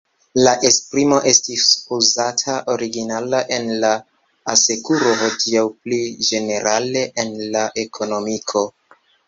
La esprimo estis uzata originala en la asekuro, hodiaŭ pli ĝenerale en la ekonomiko.